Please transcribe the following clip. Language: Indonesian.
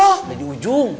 udah di ujung